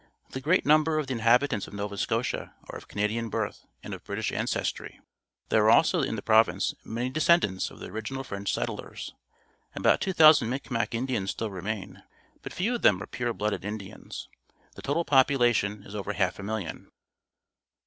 The great number of the inhabitants of Nova Scotia are of Canadian birth and of British ancestry. There are also in the pro\'ince many descendants of the original French settlers. About _2,000 Micmac In dian s still remain, but few of them are pure blooded Indians. The total population is over half a million.